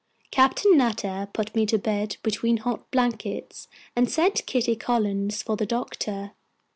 Captain Nutter put me to bed between hot blankets, and sent Kitty Collins for the doctor.